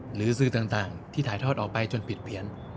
หรือสื่อต่างที่ถ่ายทอดออกไปจนผิดเพี้ยน